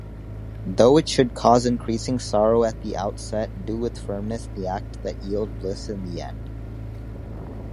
Though it should cause increasing sorrow at the outset, do with firmness the act that yield bliss in the end